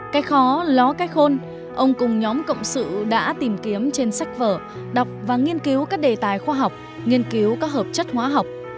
cách khó ló cách khôn ông cùng nhóm cộng sự đã tìm kiếm trên sách vở đọc và nghiên cứu các đề tài khoa học nghiên cứu các hợp chất hóa học